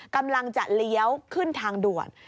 กำลังจะเลี้ยวขึ้นทางด่วน